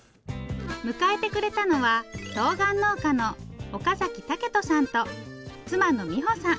迎えてくれたのはとうがん農家の岡武人さんと妻の美保さん。